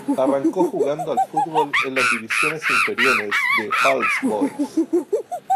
Arrancó jugando al fútbol en las divisiones inferiores de All Boys.